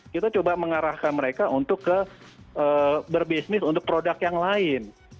kita coba mengarahkan mereka untuk ke berbisnis untuk produk yang lain